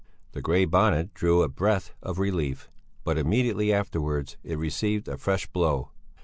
The Grey Bonnet drew a breath of relief, but immediately afterwards it received a fresh blow.